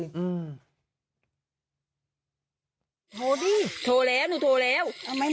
โทรแล้วหนูโทรแล้ว